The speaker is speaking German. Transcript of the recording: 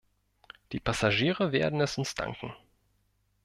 Die Passagiere werden es uns danken.